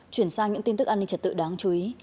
chuyển sang những tin tức an ninh trật tự đáng chú ý